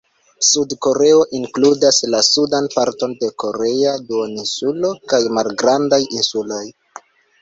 Sud-Koreo inkludas la sudan parton de korea duoninsulo kaj malgrandaj insuloj.